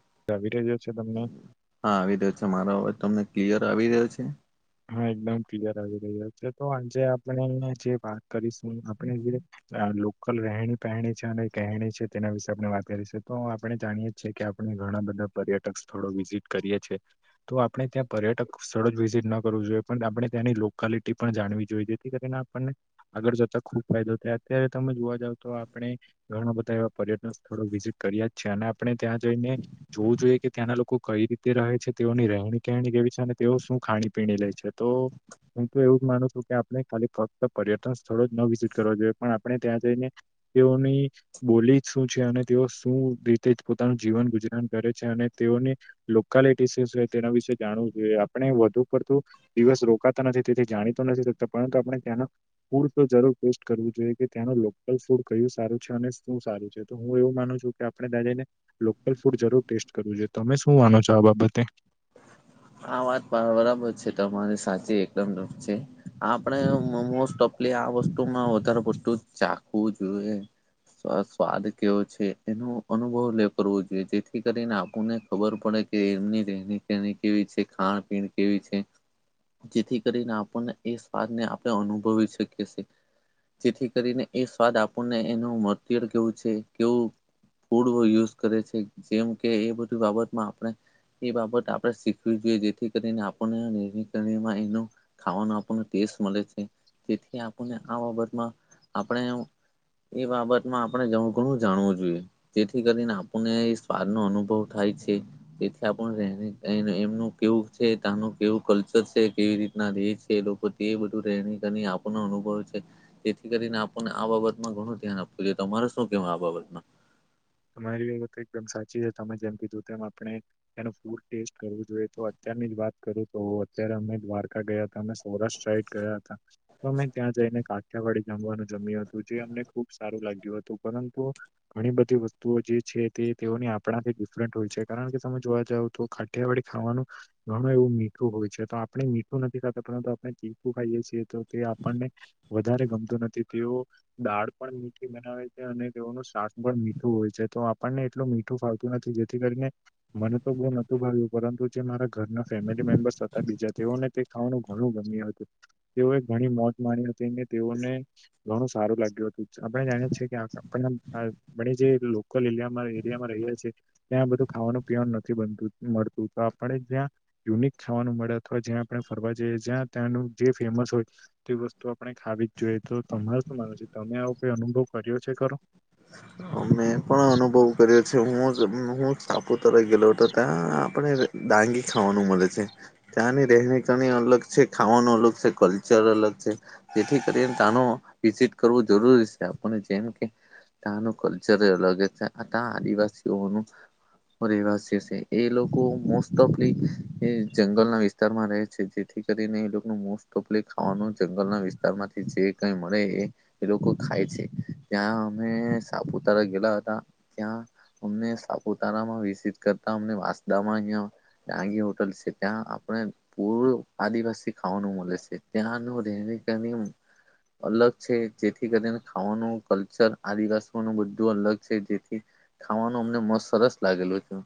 [unintelligible] હા આવી રહ્યો છે મારો અવાજ તમને ક્લિયર આવી રહ્યો છે. હા એકદમ ક્લિયર આવી રહ્યા છે તો આજે આપણે જે વાત કરીશું આપણે જે લોકલ રહેણી પહેણી છે અને કહેણી છે તેના વિશે આપણે વાત કરી છે તો આપણે જાણીએ છીએ કે આપણે ઘણા બધા પર્યટક સ્થળો વિઝિટ કરીએ છીએ તો આપણે ત્યાં પર્યટક સ્થળો જ વિઝિટ ના જોઈએ પણ આપણે ત્યાંની લોકાલિટી પણ જાણવી જોઈએ જેથી કરીને આપણને આગળ જતા ખુબ ફાયદો થયા અ્યારે તમે જોવા જાવ તો આપણે ઘણા બધા એવા પર્યટન સ્થળો વિઝિટ કર્યા જ છે અને આપણે ત્યાં જઈને જોવું જોઈએ કે ત્યાંના લોકો કઈ રીતે રહે છે તેઓની રહેણી કેણી કેવી છે અને તેઓ શું ખાણી પીણી લે છે તો હું તો એવું જ માનું છું કે આપણે ખાલી ફક્ત પર્યટન સ્થળો જ ન વિઝિટ કરવા જોઈએ પણ આપણે ત્યાં જઈને તેઓની બોલી જ શું છે અને તેઓ શું રીતે જ પોતાનું જીવન ગુજરાન કરે છે અને તેઓની લોકાલિટી શુ છે તેના વિશેે જાણવું જોઈએ આપણે વધુ દિવસ રોકાતા નથી તેથી જાણીતો નથી શકતા પરંતુ આપણે ત્યાં પૂર તો જરૂર ટેસ્ટ કરવું ત્યાં લોકલ ફૂડ કયું સારું છે અને શું સારું છે તો હું એવું માનું છું કે આપણે દાદા ને લોકલ ફૂડ જરૂર ટેસ્ટ કરવું જોઈ તમે શું માનો છો આ બાબતે આ વાત બરાબર છે તમારી સાચી એકદમ દ છે આપડ મોસ્ટ ઓફ એટલે આ વસ્તુ માં વધારે વસ્તુ ચાખવું જોઈએ સ્વાદ કેવો છે એનો અનુભવ લે કરવો જોઈએ જેથી કરીને આપુને ખબર પડે કે એમની રહેણી કરણી કેવી છે ખાણ પીણી કેવી છે જેથી કરીને આપણને એ સ્વાદને આપણે અનુભવી શકીએી જેથી કરીને એ સ્વાદ આપણને એનું મત્યુ કેવું છે કેવું ફૂડ યુઝ કરે છે જેમ કે એ બધી બાબતમાં આપણે એ બાબત આપડે જેથી કરીને આપન એનો ખાવાનો આપણ ટેસ્ટ મળે છે જેથી આપણને આ બાબતમાં આપણે એ બાબતમાં આપણે જ ઘણું જાણવું જોઈએ જેથી કરીને આપણને એ સ્વાદ નો અનુભવ થાય થી [inaudible] કેવું છે તનું કેવું કલ્ચર છે કેવી રીતના દેેશ છે એ લોકો તે બધું રહેણી કરી આપ અનુભવ છે તેથી કરીને આપણને આ બાબતમાં ઘણું ધ્યાન આપવું જોઈએ તમારે શું કહેવુ આ બાબતમાં તમારી વાત એકદમ સાચી છે તમે જેમ કીધું તેમ આપણે એનું ફૂડ ટેસ્ટ કરવું જોઈએ તો ની જ વાત કરું તો અત્યારે અમે દ્વારકા ગયા હતા અમે સૌરાષ્ટ્ર સાઈડ ગયા હતા તો અમે ત્યાં જ કાઠિયાવાડી જામવાનું જમ્યું હતું જે અમને ખુબ સારું લાગ્યું હતું પરંતુ ઘણી બધી વસ્તુ તુ જે છે તે તેઓની આપણાથી ડિફરન્ટ હોય છે કારણ કે તમે જોવા જાવ તો કાઠિયાવાડી ખાવાનું ઘણું એવું મીઠું હોય છે તો આપણે મીઠું નથી ખાતું પરંતુ આપણે તીખું ખાઈએ છીએ તો તે આપણને વધારે ગમતું નથી તેઓ દાળ પણ મીઠી બનાવે છે અને તેઓનું શાક પણ હોય છે તો આપણને એટું મીઠું ફાવતું નથી જેથી કરીને મને તો બહુ નતું ભાવ્યું પરંતુ જે ઘરના ફેમિલી મેમ્બર્સ હતા બીજા તેઓને તે ખાવાનું ઘણું ગમ્યું હતું તેઓએ ઘણી મોજ માણી ને તેઓને ઘણું સારું લાગ્યું હતું આપણે જાણીએ છીએ કે આપણને આ પણ જે લોકલ એરિયા એરિયામાં રહ્યા છે ત્યાં બધું ખાવાનું પીવાનું નથી બનતું મળતું આ પડે ત્યાં યુનિક ખાવાનું મળે અથવા જ્યાં આપણે ફરવા જઈએ જ્યાં ત્યાં જે ફેમસ હોય કે વસ્તુ આપણે ખાવી જ જોઈએ તો તમાર શું માનું છે તમે આવો કોઈ અનુભવ કર્યો છે ખરો અમે પણ અનુભવ કર્યો છે હું હું સાપુતારા ગેલો તો ત્યાં આપણે ડાંગી ખાવાનું મલે છે ત્યાંની રહેણી કરણી અલગ છે ખાવાનું લોગ છે ક્લચર અલગ છે જેથી કરીને તાનો વિઝિટ કરવો જરૂરી છે આપણે જેમ ત્યાંનું કલ્ચર અલગ જ છે કા આદિવાસીઓનું રહેવાશી સે એ લોકો મોસ્ટ ઑફલી જંગલના વિસ્તારમાં રહે છે જેથી કરીને એ મોસ્ટ ઓફલી ખાવાનું જંગલના વિસ્તાર માંથી જે કઈ મળે એ લોકો ખાય ય છે ત્યાં અમે સાપુતારા ગેલા હતા ત્યાં અમને સાપુતારામાં વિઝીટ કરતા અમને વાંસદામાં ગ્યો ડાંગી હોટલ છે ત્યાં આપણે પૂર આદિવાસી ખાવાનું મળે છે ત્યાંનું રહે ત્યાંની અલગ છે જેથી કરીને ખાવાનું કલ્ચર આદિવાસીઓનું બધું અલગ છે જેથી ખાવાનું અમને મસ્ત સરસ લાગેલું એકદમ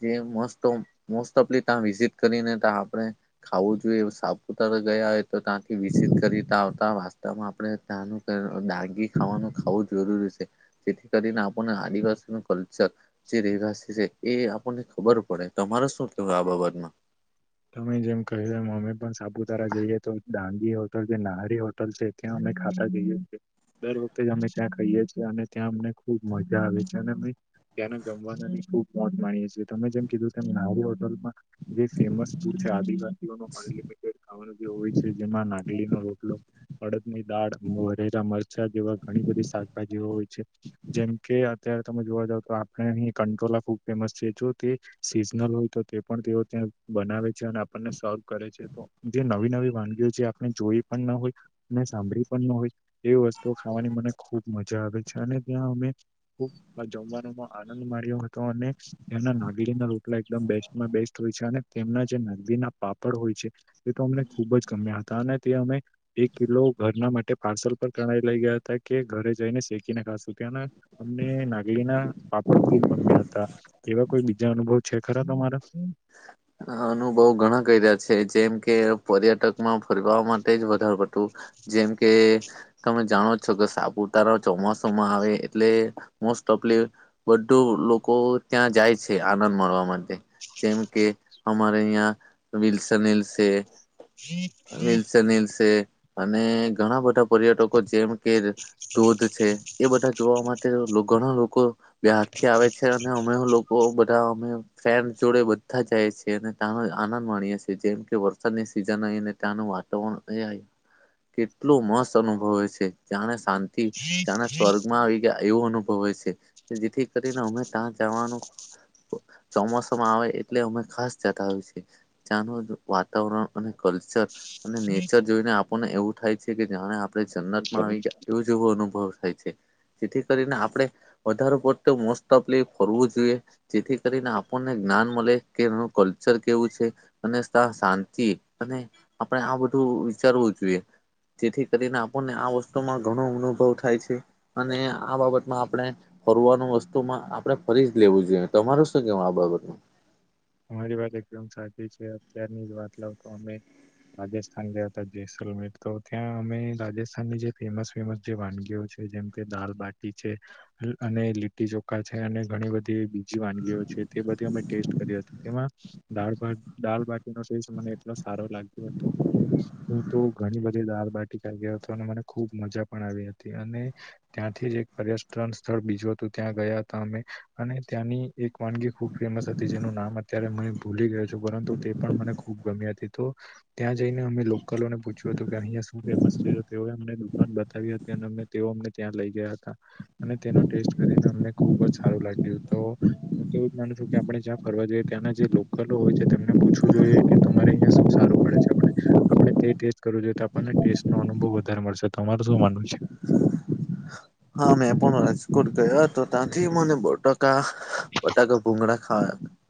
જે મોસ્ટ ઓફ મોસ્ટ ઓફલી તા વિઝિટ કરીને તા આપણે ખાવું જોઈએ સાપુતારા ગયા હોય તો ત્યાંથી વિઝિટ કરીતા આવતા વાસ્તામાં આપણે ત્યાંનું દાગી ખાવાનું ખાવું જઈએ જરૂરી છે જેથી કરીને આપણને આદિવાસીનું કલ્ચર જે રહેવાસી છે એ ને ખબર પડે તમારે શું કેવું આ બાબતમાં તમે જેમ કહે અમે પણ સાપુતારા જઈએ તો દા હોટલ જે નાહરી હોટલ છે ત્યાં અમે ખાતા જઈએ છીએ દર વખતે જ અમે ત્યાં ખાઈએ છીએ અને ત્યાં અમને ખુબ મજા આવે છે અને ત્યાંને જમવાનું ખુબ મોજ માણીએ છીએ તમે જેમ કીધું નાવડી હોટલમાં જે ફેમસ છે આદિવાસીઓ ન અનલિમિટેડ ખાવાનું જે હોય છે જેમાં નાગલી નો રોટલો અડ ની દાળ મોરેલા મરચા જેવા ઘણી બધી ગી હોય છે જેમકે અત્યારે તમે જોવા જાવ તો આપણે કંટોલા ખૂબ ફેમસ છે જો તે સીઝનલ હોય તો તે પણ તેઓ ત્યાં બનાવે છે આપણને સર્વ કરે છે જે નવી નવી વાનગીઓ જે આપણે જોઈ પણ ના હોય ને સાંભળી પણ હોય એ વસ્તુ ખાવાની મને ખુબ મજા આવે છે અને ત્યાં અમે ખૂબ જમવા આનંદ માણ્યો હતો અને તેમના નાગીરીના રોટલા એકમ બેસ્ટમાં બેસ્ટ હોય છે અને તેમના નંદીના પાપડ હોય છે તે તો અમને ખુબ જ ગમ્યા હતા અને તે અમે એક કિલો ઘરના માટે પાર્સલ પર કણાઈ લઈ ગયા હતા કે ઘરે જઈને શેકીને ખાશું ત્યાં અમને નાગલી ના પાપડ ખુબ ગમ્યા હતા એવા કોઈ બીજા અનુભવ છે ખરા તમારા અનુભવ ઘણા કર્યા છે જેમ કે પર્યટક માં ફરવા માટે જ વધાર પડતું જેમ કે તમે જાણો છો કે સાપુતારા ચોમાસમાં આવે એટલે મોસ્ટ ઓફલી બધું લોકો ત્યાં જાય છે આનંદ માણવા માટે જેમ કે હમારે યાં વિલસનલસે છે [inaudible] વિલસહિલ છે અને ઘણા બધા પર્યટકો જેમ કે ધોધ છે એ બધા જોવા માટે ઘણા લોકો બ્યારથી આવે છે અને અમે લોકો બધા અમે ફ્રેન્ડ જોડે બધા જાય છીએ ત્યાંનો આનંદ માણીએ છી જેમ કે વરસાદની સિઝન આઈને ત્યાંનું વાતાવરણ અ કેટલું મસ્ત અનુભવે છે જાણે શાંત તિ જાણા સ્વર્ગમાં આવી ગયા એવો અનુભવ હોય છે જેથી કરીને અમે ત્યાં જવાનું ચોમાસામાં આવે એટલે અમે ખાસ જતા હોય છે ત્યાંનું વાતાવરણ અને કલ્ચર અને નેચર જોઈને આ પણ એવું થાય છે કે જાણે આપણે જન્નતમાં આવી ગયા એવું જેવો અનુભવ થાય છે જેથી કરીને આપણે વધાર પડતો મોસ્ટ ઓફલી ફરવું જોઈએ જેથી કરીને આપણને જ્ઞાન મલે કેનો કલ્ચર કેવું છે અને ત્યાં શાંતિ અને આપણે આ બધું વિચારવું જોઈએ. જેથી કરીને આપણને આ વસ્તુમાં ઘણો અનુભવ થાય છે અને આ બાબતમાં આપણે ફરવાનું વસ્તુમાં આપણે ફરી જ લેવું જોઈએ. તમારું શું કેવું આ બાબતમાં? અમારી વાત એકદમ સાચી છે. અત્યારની જ વાત લાવ તો અમે રાજસ્થાન ગયા હતા. જેસલમેર તો ત્યાં અમે રાજસ્થાનની જે ફેમસ ફેમસ જે વાનગીઓ છે. જેમ કે દાલબટી છે. અને લીટી ચોખા છે અને ઘણી બધી વાનગીઓ છે તે બધી અમે ટેસ્ટ એમાં દાળભાત દાળબાટીનો ટેસ્ટ મને એટલો સારો લાગ્યો હતો કે હું ઘણી બધી દાળ બાટખાઈ ગયો હતો અને મને ખૂબ મજા પણ આવી હતી અને ત્યાંથી જ એક [unintelligible] સ્થળ બીજું હતું ત્યાં ગયા હતા અમે અને ત્યાંની એક વાનગી ખુબ ફેમસ હતી. જેનું નામ અત્યારે ભૂલી ગયો છું પરંતુ તે પણ મને ખુબ ગમ્યા હતી તો ત્યાં જઈને અમે લોકો લોકલોને પૂછ્યું હતું કે, અહીં શું ફેમસ છે? તો તેઓએ અમને દુકાન બતાવી હતી અને તેઓ અમને ત્યાં લઈ ગયા હતા. અને તેનો ટેસ્ટ કરીને અમને ખુબ જ સારું લાગ્યું. તો હું તેવું જ માનું છું કે, આપણે ફરવા જઈએ ત્યાંના જે લોલો હોય છે તેમને પૂછવું જોઈએ કે, તમારે અહિયાં શું સારું મળે છે. તે ટેસ્ટ કરવું જોઈએ તો આપણને ટેસ્ટનો અનુભવ વધારે મળશે. તમારે શું માનવું છે? હા, મેં પણ રાજકોટ ગયા તો ત્યાંથી મને બટાકા, બટાકા ભૂંગડા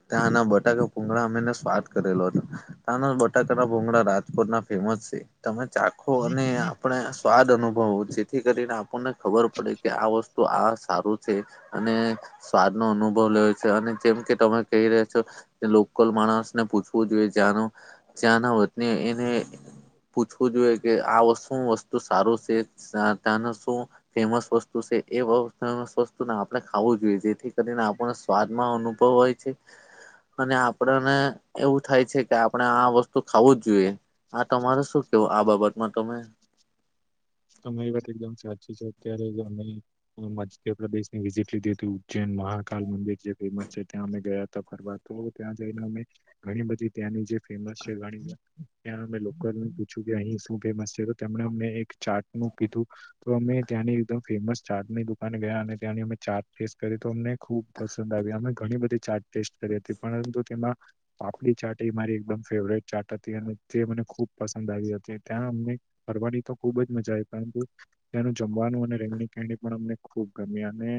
ત્યાંના બટાકા ભૂંગડા અમેને સ્વાદ કરેલો હતો. ત્યાંના બટાકાના ભૂંગડા રા- જકોટ ના ફેમસ છે. તમે ચાખો અને આપણે સ્વાદ અનુભવો, જેથી કરીને આપણને ખબર પડે કે આ વસ્તુ આ સારું છે અને સ્વાદનો અનુભવ લેવો છે. અને જેમ કે તમે કહી રહ્યા છો. લોકલ માણસને પૂછવું જોઈએ કે, આ લોકો કયાં ના વતની એને પૂછવું જોઈએ કે, આમા શું વસ્તુ સારું છે. ત્યાંનું શું? ફેમસ વસ્તુ છે. એ બહુ ફેમસ વસ્તુને આપણે ખાવું જોઈએ. જેથી કરીને આપણને સ્વાદમાં અનુભવ હોય છે. અને આપણને એવું થાય છે કે, આપણે આ વસ્તુ ખાવું જ જોઈએ. આ તમારે શું કેવું? આ બાબતમાં તમે [inaudible] તમે અે વાત એકદમ સાચી છે. અત્યારે અમે મધ્યપ્રદેશની વિઝિટ લીધી હતી ઉજ્જૈન. મહાકાલ મંદિર જે ફેમસ છે ત્યાં અમે ગયા હતા. ફરવા તો ત્યાં જઈને અમે ઘણી બધી ત્યાંની જે ફેમસ છે ઘણી ત્યાં અમે લોકલને પૂછ્યું કે, અહી શું ફેમસ છે? તો તેમને અમે એક ચાર્ટ કીધું. તો અમે ત્યાંની એકદમ ફેમસ ચાર્ટની દુકાન ગયા અને ત્યાંની અમે ચાર્ટ ટેસ કરી તો અમને ખૂબ પસંદ આવી અમે ઘણી બધી ચાટ ટેસ્ટ કરી હતી. પરંતુ તેમાં પાપડી ચાટ એ મારી એકદમ ફેવરેટ ચાટ હતી અને તે મને ખુબ પસંદ આવી હતી. ત્યાં અમને ફરવાની તો ખુબ જ મજા આવી. હું, ત્યાંનું જમવાનું અને રેંગણી ખણી પણ અમને ખુબ ગમ અને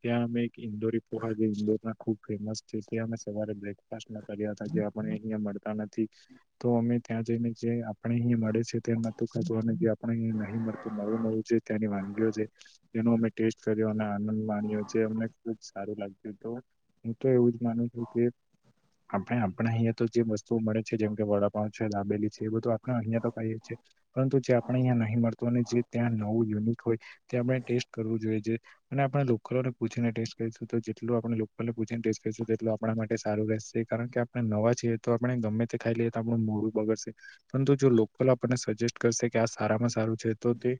ત્યાં અમે ઇંદોરી પોહા જે ઈંદોરના ખૂબ ફેમસ છે ત્યાં અમે સવારે બ્રેકફાસ્ટના કર્યા હતા અહયા મળતા નથી તો અમે ત્યાં જઈને જે આપણા અહીં મળે છે તે નતું અને આપણે નહી નવું નવું છે. ત્યાંની વાનગીઓ છે, તેનો અમે ટેસ્ટ કર્યો અને આનંદ માણ્યો છે અને સારું લાગતું તો હું તો એવું જ માનું છું કે આપણે, આપણા અહિયાં તો જે વસ્તુઓ મળે છે. જેમ કે, વડાપાવ છે, દાબેલી છે એ બધું આપણે અહિયાયા તો કએ છીએ. પરંતુ જે આપણે અહીયા નહી મળતું. ત્યાં નવું યુનિટ હોય, તે આપણે ટેસ્ટ કરવું જોઈએ. અને આપણે ડોકરોને પૂછીને ટેસ્ટ શું તો જેટલું આપણને લોકો પૂછીને ટેસ્ટ કરશે તેટલું આપણા માટે સારું રહેશે. કારણ કે, આપણે નવા છીએ તો આપણે ગમે તે ખાઈ લઈએ, તો આપણું મોળું બગડશે. પરંતુ જો લોકો આપણને સજેસ્ટ કરશે કે, આ સારામાં સારું છે તો તે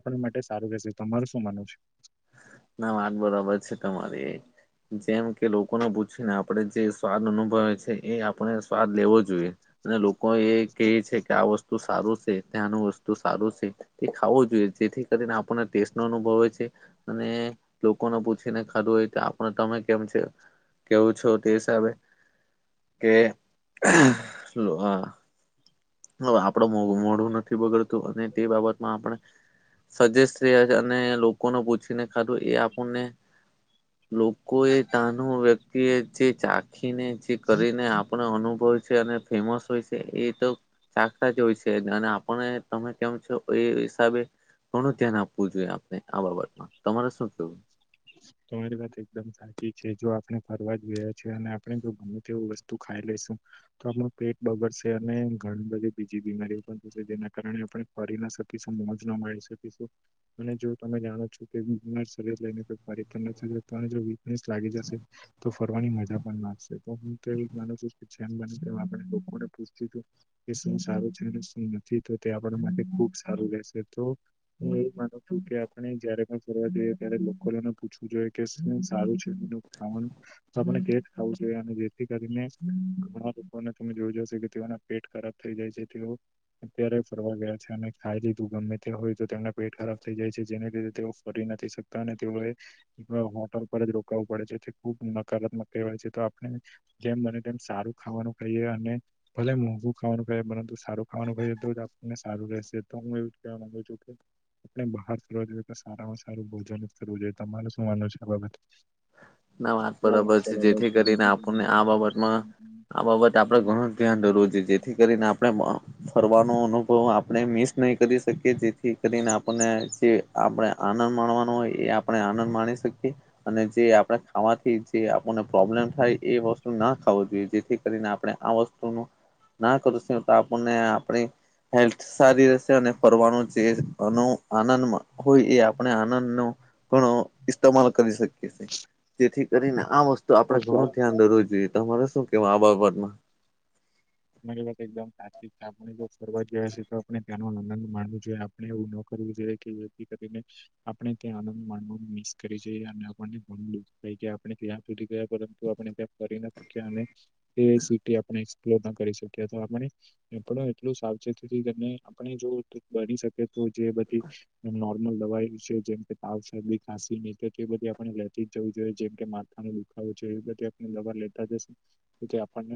આપણા માટે સારું રહેશે. તમારું શું માનવ છે? ના વાત બરાબર છે તમારી. જેમ કે, લોકોને પૂછીને આપણે જે સ્વાદ અનુભવે છે. એ આપણે સ્વાદ લેવો જોઈએ. અને લોકો એ કહે છે કે આ વસ્તુ સારું છે ત્યાંનું વસ્તુ સારું છે તે ખાવું જોઈએ. જેથી કરીને આપણને ટેસ્ટ નો અનુભવ હોય છે. અને લોકોને પૂછીને ખાધું હોય તો આપણ તમે કેમ છે. કેવું છું તે હિસાબે કે. હ આપડું મો મોઢું નથી બગડતું અને તે બાબતમાં આપણે. સજેસ્ટ રહ્યા છે અને લોકોને પૂછીને ખાધું એ આપણને. લોકો એ તનું વ્યક્તિ એ જે ચાખીને જે કરીને આપણે અનુભવ. અને ફેમસ છે એ તો. ચાખતા જ હોય છે અને આપને તમે કેમ છો એ હિસાબે. ઘણું ધ્યાન આપવું જોઈએ આપને આ બાબતમાં તમારે શું કેવું. તમારી વાત એકદમ સાચી છે જો આપણે ફરવા જોઈએ છે અને આપણે જો ગમે તેવું વસ્તુ ખાઈ લે. આપણ પેટ બગડશે અને ઘણી બધી બીજી બીમારીઓ પણ થશે જેના કારણે આપણે ફરી. જશું અને જો તમે જાણો છો કે લઈ. લાગી જશે તો ફરવાની મજા પણ લાગશે તો હું મા નુછુ. મ બ એ આપણે લોકોને પૂછું કે શું સારું છે શું નથી તો તે આપ માટે ખુબ સારું રહેશે તો હું એવ માનું છું કે આપણે જયારે પણ ફ દઈએ ત્યારે લોકો. પૂછવું જોઈએ કે સારું છે આપણે તે જ ખાવું જોઈએ અને જેથી કરીને. ઘણા લોકોને તમે જોઈજશો કે તેઓના પેટ ખરાબ થઈ જાય છે તેઓ અત્યારે ફરવા ગયા છે. ખાઈ લીધું ગમે તે હોય તો તેમના પેટ ખરાબ થઈ જાય છે જેને લીધે તેઓ ફરી નથી શકતા અને તેઓએ. હોટલ પર જ રોકાવું પડે છે તે ખુબ નકારાત્મક કહેવાય છે તો આપણે જેમ બને તેમ. સારું ખાવાનું કાઈએ અને ભલે મોંઘું ખાવાનું કાઈએ પરંતુ સારું ખાવાનું ખાઈએ તો જ આપણને સારું. તો હું એવું કવા માંગુ છું કે આપણે બહાર જોઈએ તો સારામાં સારું ભોજન જ કરું જોઈ. તમાર શું માનુંવ છે આ બાબત. ના વાત બરાબર છે જેથી કરીને આપણને આ બાબતમાં આ બાબત આપડ ઘણું ધ્યાન. જેથી કરીને આપણે ફરવાનો અનુભવ આપણે મિસ નહી કરી શકીએ જેથી. આપ જે આપણે આનંદ માણવાનો હોય એ આપણે આનંદ માણી શકીએ અને જે આપ ખાવાથી જે આપણને પ્રોબ્લેમ થાય એ વસ્તુ ના ખાવ જોઈએ જેથી કરીને આપણે આ વસ્તુનું. ના કરું છ તો આપણને આપણી. હેલ્થ સારી રહેશે અને ફરવાનું જે આનંદ હોય એ આપણે આનંદ. ઘણો ઇસ્તેમાલ કરી શકીએી. જેથી કરીને આ વસ્તુ આપડણે છે ઘણું ધ્યાન દવું જોઈએ. તમારે શું કેવા આબાવાદમાં. મ એકદમ તાત્કાિક આપણે જો ફરવા જયા હી તો આપણે ત્યાંનો આનંદ માનવો જોઈએ આપણે એવું ન કર. [unintelligible] આપણે ત્યાં સુધી ગયા પરંતુ આપણે ત્યાં કરી નાૂક એ સ આપ એક્પ્ર. કરી શક આપણે એટલું સાવચેતી આપણે જો બની શકે તો જે. લ દવા જેમ તાસી બધી આપે લેતી જ જ જોઈએ. જેમ કે માથા ન દુખાવો છે એ બધ આપ દબર લેતા જશે તો તે આપણને